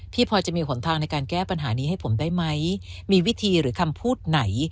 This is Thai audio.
พอจะมีหนทางในการแก้ปัญหานี้ให้ผมได้ไหมมีวิธีหรือคำพูดไหน